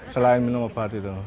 selain minum obat itu